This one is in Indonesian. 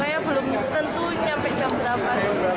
makanya belum tentu sampai jam berapa